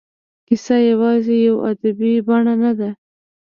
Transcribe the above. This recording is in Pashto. کیسه یوازې یوه ادبي بڼه نه ده.